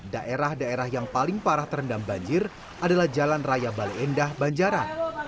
daerah daerah yang paling parah terendam banjir adalah jalan raya bale endah banjaran